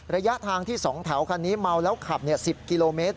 ระยะทางที่๒แถวคันนี้เมาแล้วขับ๑๐กิโลเมตร